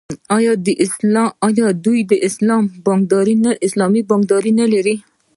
آیا دوی اسلامي بانکداري نلري؟